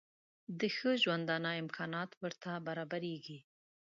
د ښه ژوندانه امکانات ورته برابرېږي.